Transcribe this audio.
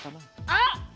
あっ！